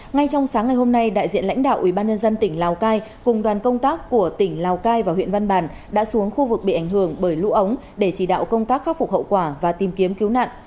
ngay trong sáng ngày hôm nay đại diện lãnh đạo ubnd tỉnh lào cai cùng đoàn công tác của tỉnh lào cai và huyện văn bàn đã xuống khu vực bị ảnh hưởng bởi lũ ống để chỉ đạo công tác khắc phục hậu quả và tìm kiếm cứu nạn